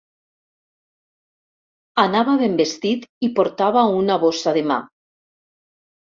Anava ben vestit i portava una bossa de mà.